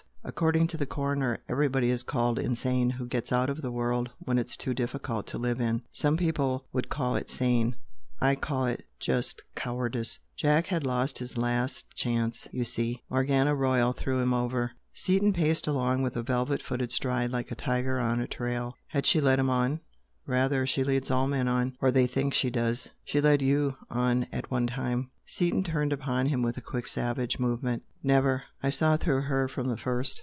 according to the coroner. Everybody is called 'insane' who gets out of the world when it's too difficult to live in. Some people would call it sane. I call it just cowardice! Jack had lost his last chance, you see. Morgana Royal threw him over." Seaton paced along with a velvet footed stride like a tiger on a trail. "Had she led him on?" "Rather! She leads all men 'on' or they think she does. She led YOU on at one time!" Seaton turned upon him with a quick, savage movement. "Never! I saw through her from the first!